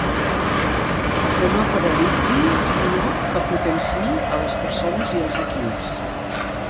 Que no paralitzin sinó què potenciï a les persones i els equips.